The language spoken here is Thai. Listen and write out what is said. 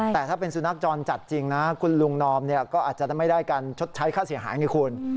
แต่ถ้าเป็นสุนัขจรจัดจริงนะคุณลุงนอมก็อาจจะไม่ได้การชดใช้ค่าเสียหายไงคุณ